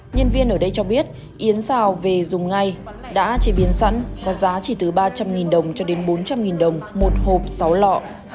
nhân viên ở đây cho biết yến rào về dùng ngay đã chế biến sẵn có giá chỉ từ ba trăm linh đồng cho đến bốn trăm linh đồng một hộp sáu lọ